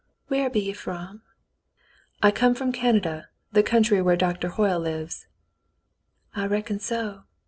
"Where be ye from .?" "I came from Canada, the country where Doctor Hoyle lives." "I reckon so.